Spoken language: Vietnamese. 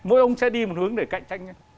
mỗi ông sẽ đi một hướng để cạnh tranh nhé